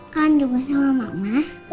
kangen juga sama mama